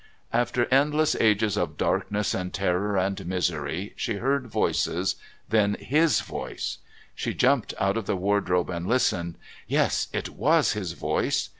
After endless ages of darkness and terror and misery she heard voices then HIS voice! She jumped out of the wardrobe and listened. Yes; it WAS his voice.